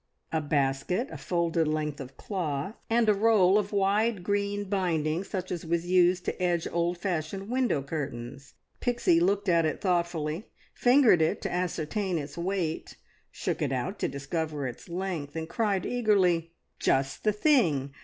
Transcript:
A basket, a folded length of cloth, and a roll of wide green binding such as was used to edge old fashioned window curtains. Pixie looked at it thoughtfully, fingered it to ascertain its weight, shook it out to discover its length, and cried eagerly "Just the thing!